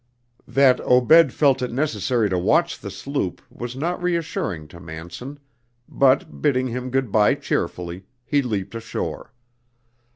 That Obed felt it necessary to watch the sloop was not reassuring to Manson, but, bidding him good bye cheerfully, he leaped ashore.